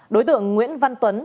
đối tượng nguyễn văn tuấn